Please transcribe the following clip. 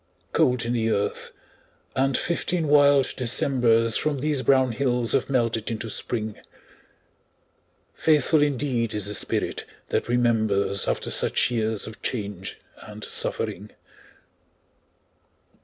Cold in the earth, and fifteen wild Decembers From these brown hills have melted into Spring. Faithful indeed is the spirit that remembers After such years of change and suffering!